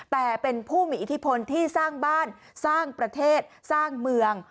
แต่เป็นผู้มีอิทธิพลที่สร้างบ้านสร้างประเทศสร้างเมือง